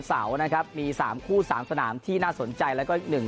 เสาร์นะครับมีสามคู่สามสนามที่น่าสนใจแล้วก็อีกหนึ่ง